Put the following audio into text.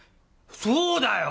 そうだよ！